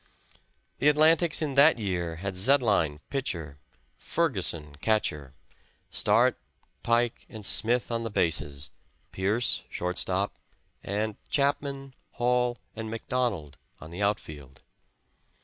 The Atlantics in that year had Zettlein, pitcher; Ferguson, catcher; Start, Pike and Smith on the bases; Pearce, shortstop, and Chapman, Hall and McDonald on the outfield.